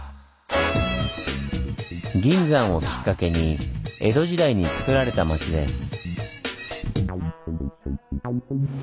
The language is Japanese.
銀山をきっかけに江戸時代につくられた町です。